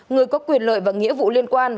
người có quyền lợi và nghĩa vụ liên quan